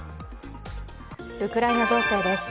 ウクライナ情勢です。